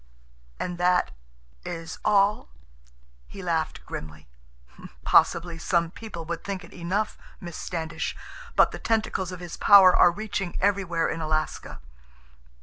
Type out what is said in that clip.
"And that—is all?" He laughed grimly. "Possibly some people would think it enough, Miss Standish. But the tentacles of his power are reaching everywhere in Alaska.